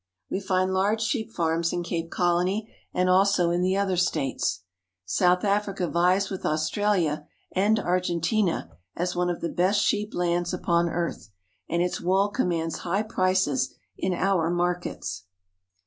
We find large sheep farms in Cape Colony and also in ' the other states. South Africa vies with Australia and . Argentina as one of the best sheep lands upon earth, and fits wool commands high prices in our markets.